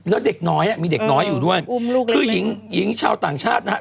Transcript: แล้วเด็กน้อยมีเด็กน้อยอยู่ด้วยอุ้มลูกคือหญิงหญิงชาวต่างชาตินะฮะ